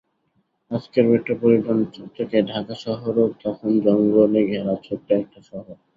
আজকের মেট্রোপলিটন চকচকে ঢাকা শহরও তখন জঙ্গলে ঘেরা ছোট্ট একটা শহর।